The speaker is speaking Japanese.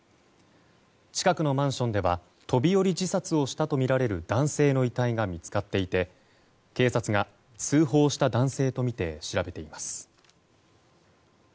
近くのマンションでは飛び降り自殺をしたとみられる男性の遺体が見つかっていて警察が通報した男性とみて調べています。